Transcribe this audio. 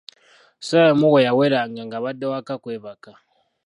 Ssaawa emu bwe yaweranga nga badda waka kwebaka.